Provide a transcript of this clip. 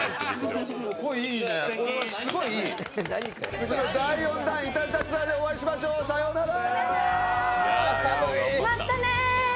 次の第４弾いたずらツアーでお会いしましょう、さようなら。